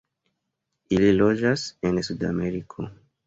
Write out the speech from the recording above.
Ili loĝas en Sudameriko.